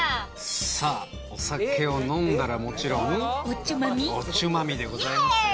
さぁお酒を飲んだらもちろんおちゅまみでございますよ